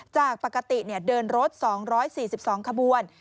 จากปกติเดินรถ๒๔๒ขบวน